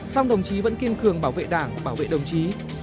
song đồng chí vẫn kiên cường bảo vệ đảng bảo vệ đồng chí